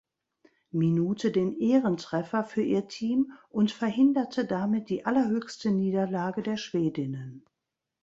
Minute den „Ehrentreffer“ für ihr Team und verhinderte damit die allerhöchste Niederlage der Schwedinnen.